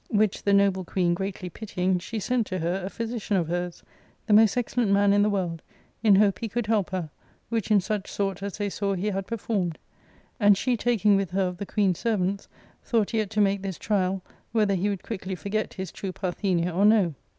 Which the noble queen greatly pitying, she sent to her a physician of hers, the most excellent man in the world, in hope he could help her, which in such sort as they saw he had performed, and she taking with her of the queen's servants, thought yet to make this trial, whether he would quickly forget his true Parthenia or no.